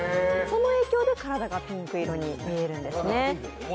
その影響で体がピンク色に見えるんですね。